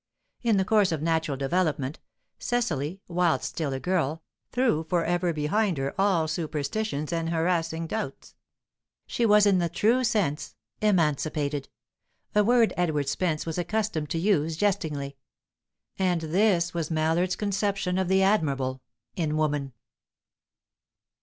In the course of natural development, Cecily, whilst still a girl, threw for ever behind her all superstitions and harassing doubts; she was in the true sense "emancipated" a word Edward Spence was accustomed to use jestingly. And this was Mallard's conception of the admirable in woman.